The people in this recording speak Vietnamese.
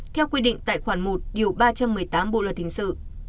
theo quy định tại khoản một điều ba trăm một mươi tám bộ luật hình sự